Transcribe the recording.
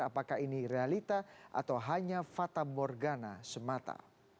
apakah ini realita atau hanya fata morgana semata